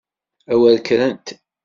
A wer kkrent!